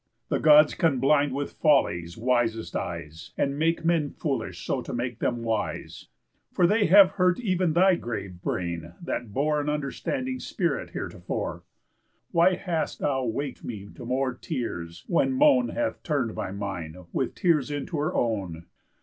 The Gods can blind with follies wisest eyes, And make men foolish so to make them wise. For they have hurt ev'n thy grave brain, that bore An understanding spirit heretofore. Why hast thou wak'd me to more tears, when Moan Hath turn'd my mind, with tears into her own?